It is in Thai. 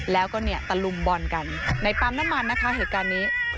แล้วก็เนี่ยตะลุมบอลกันในปั๊มน้ำมันนะคะเหตุการณ์นี้